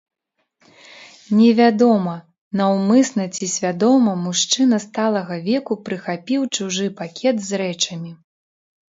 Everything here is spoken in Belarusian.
Невядома, наўмысна ці свядома мужчына сталага веку прыхапіў чужы пакет з рэчамі.